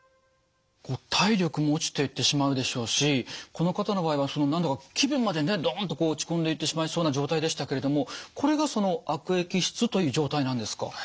体力も落ちていってしまうでしょうしこの方の場合はその何だか気分までねドンとこう落ち込んでいってしまいそうな状態でしたけれどもこれがその悪液質という状態なんですか？